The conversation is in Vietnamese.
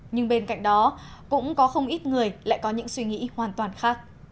nhưng bên cạnh đó cũng có không ít người lại có những suy nghĩ hoàn toàn khác